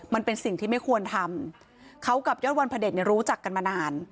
มันเป็นสิ่งที่ไม่ควรทำเขากับยอดวันพระเด็จเนี่ยรู้จักกันมานาน